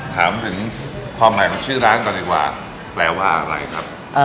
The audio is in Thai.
ถามถึงความหมายของชื่อร้านก่อนดีกว่าแปลว่าอะไรครับ